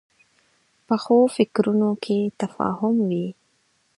پخو فکرونو کې تفاهم وي